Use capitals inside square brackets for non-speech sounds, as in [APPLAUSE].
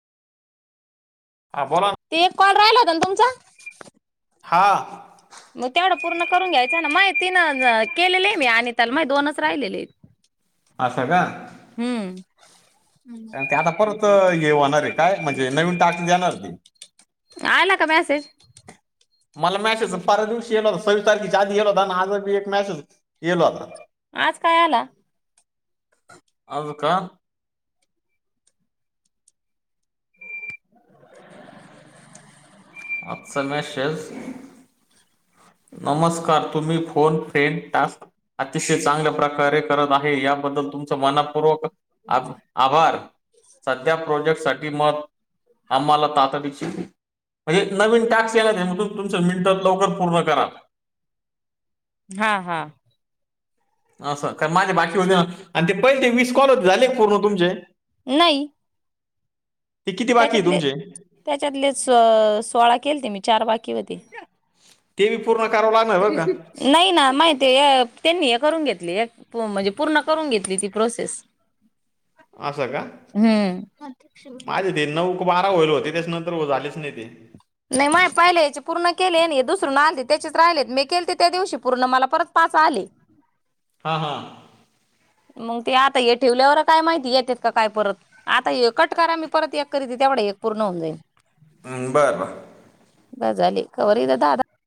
हा बोला ना. ते एक कॉल राहिलावताना तुमचा? हा. मग तेवढं पूर्ण करून घ्यायचं ना मग मी केलेले आहे माहिती हाय आणि त्याला माझे दोनच राहिले आहेत. असं का? हम्म. ते आता परत हे होणार आहे, काय म्हणजे नवीन टास्क देणार आहेत. आला का मेसेज? मला मॅसेच फारच आधी आला होता, आजच एक मेसेज गेला होता. आज काय आला? आज का? आजचा मेसेज. नमस्कार तुम्ही फोन फ्रेन टास्क. अतिशय चांगल्या प्रकारे करत आहे याबद्दल तुमच मनापूर्वक आभ आभार सध्या प्रोजेक्टसाठी मत आम्हाला तातडीच म्हणजे नवीन टास्क येला म्हग तून तुमचं मिनटात लवकर पूर्ण करा. हा हा. असं का बाकी होते ना, माझे आणि ते पहिले वीस कॉल झाले का तुमचे. नाही. ते किती बाकी आहे त्याच्यातले तुमचे त्याच्यातले सोळा केलते मी चार बाकी होते. ते भी पूर्ण करावं लागणार बर का. नाही ना माहिती त्यांनी हे करून घेतली म्हणजे, पूर्ण करून घेतली ती प्रोसेस. असं का हम्म. माझे ते नऊ बारा व्हायला होते, त्यानंतर झालेच नाय ते. नाही माय पहिले याचे पूर्ण केले नाही दुसरून आलती त्याचेच राहिलेत मी केले ते त्या दिवशी पूर्ण मला परत पाच आले. हो [INAUDIBLE] हा हा. मंग ते आता ये ठेवल्यावर काय माहिती येतेत का काय परत. आता ये कट करा मी परत एक करीते तेवढं एक पूर्ण होऊन जाईल. हम्म बरं बरं. गजाली कवरी दादा